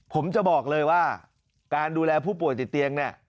ผมจะบอกเลยว่าการดูแลผู้ป่วยติดเตียงเนี่ย